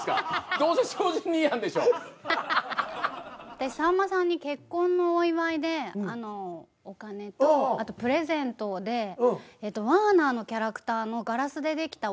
私さんまさんに結婚のお祝いでお金とあとプレゼントでワーナーのキャラクターのガラスで出来た置物。